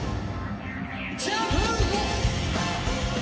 ジャンプ！